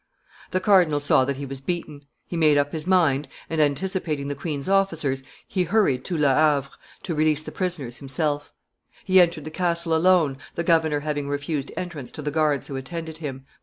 The cardinal saw that he was beaten; he made up his mind, and, anticipating the queen's officers, he hurried to Le Havre to release the prisoners himself; he entered the castle alone, the governor having refused entrance to the guards who attended him.